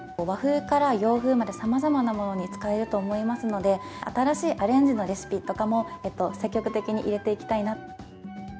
和風から洋風まで、さまざまなものに使えると思いますので、新しいアレンジのレシピとかも積極的に入れていきたいなと。